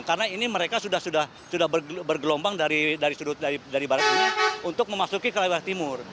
karena ini mereka sudah bergelombang dari sudut dari barat ini untuk memasuki ke lewat timur